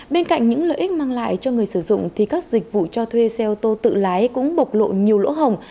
bên cạnh những lợi ích mang lại cho người sử dụng thì các dịch vụ cho thuê xe ô tô tự lái cũng bộc lộ nhiều lỗ hồng